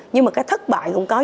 nhưng mà cái thất bại cũng có